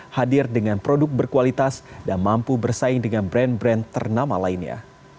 hadir dengan produk berkualitas dan mampu bersaing dengan brand brand ternama lainnya